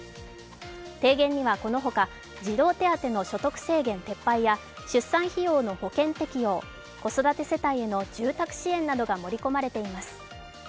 提言にはこのほか児童手当の所得制限撤廃や出産費用の保険適用、子育て世帯への住宅支援などが盛り込まれています。